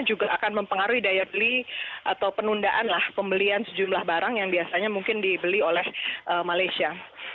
juga akan mempengaruhi daya beli atau penundaan lah pembelian sejumlah barang yang biasanya mungkin dibeli oleh malaysia